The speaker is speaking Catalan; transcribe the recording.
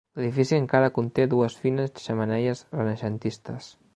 L'edifici encara conté dues fines xemeneies renaixentistes.